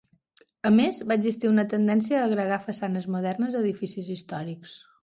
A més, va existir una tendència a agregar façanes modernes a edificis històrics.